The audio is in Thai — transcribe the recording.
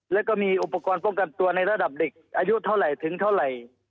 แล้วก็มีอุปกรณ์ป้องกันตัวในระดับเด็กอายุเท่าไหร่ถึงเท่าไหร่